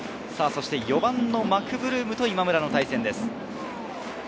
そして４番マクブルームと今村の対戦です。